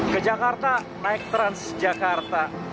ke jakarta naik transjakarta